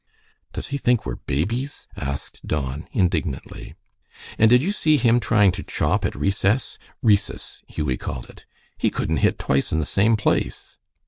"Does he think we're babies?" asked Don, indignantly. "And did you see him trying to chop at recess?" (REE'cis, Hughie called it.) "He couldn't hit twice in the same place."